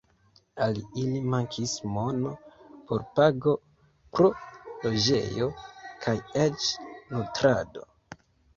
Al ili mankis mono por pago pro loĝejo kaj eĉ nutrado.